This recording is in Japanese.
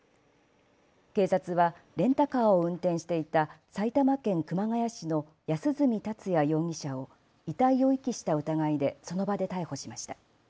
警察はレンタカーを運転していた埼玉県熊谷市の安栖達也容疑者を遺体を遺棄した疑いでその場で逮捕しました。